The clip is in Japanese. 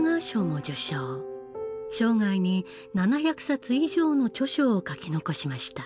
生涯に７００冊以上の著書を書き残しました。